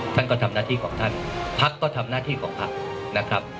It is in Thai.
ท่านก็ทำหน้าที่ของท่านพักก็ทำหน้าที่ของพักนะครับ